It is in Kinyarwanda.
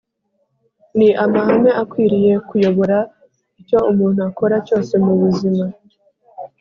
ni amahame akwiriye kuyobora icyo umuntu akora cyose mu buzima.